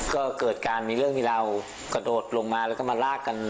ก็เกิดการมีเรื่องมีราวกระโดดลงมาแล้วก็มาลากกัน